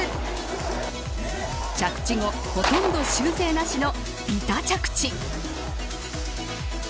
着地後ほとんど修正なしのビタ着地。